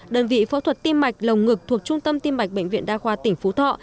đơn vị phẫu thuật tim mạch lồng ngực thuộc trung tâm tim mạch bệnh viện đa khoa tỉnh phú thọ